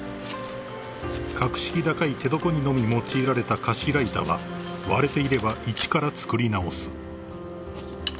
［格式高い手床にのみ用いられた頭板は割れていれば一から作り直す］